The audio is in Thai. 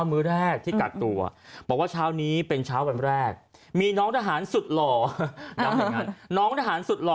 มื้อแรกที่กักตัวบอกว่าเช้านี้เป็นเช้าวันแรกมีน้องทหารสุดหล่อย้ำอย่างนั้นน้องทหารสุดหล่อ